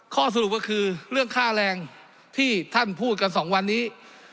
ข้อสรุปก็คือเรื่องค่าแรงที่ท่านพูดกัน๒วันนี้